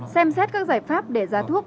xem xét các giải pháp để giá thuốc